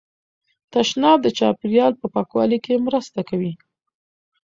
تشناب د چاپیریال په پاکوالي کې مرسته کوي.